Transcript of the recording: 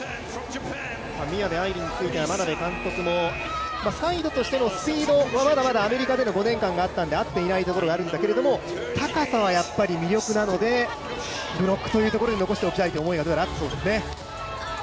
宮部藍梨については眞鍋監督もサイドとしてのスピードはまだまだ、アメリカでの５年間があったので合ってないんだけども高さはやっぱり魅力なのでブロックというところに残しておきたいという思いがあったようですね。